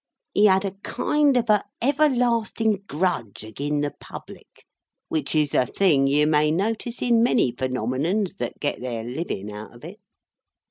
He had a kind of a everlasting grudge agin the Public: which is a thing you may notice in many phenomenons that get their living out of it.